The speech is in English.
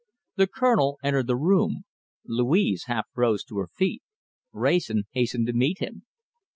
The Colonel entered the room. Louise half rose to her feet. Wrayson hastened to meet him.